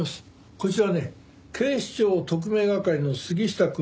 こちらね警視庁特命係の杉下くんと冠城くん。